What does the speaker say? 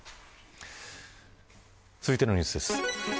続いてのニュースです。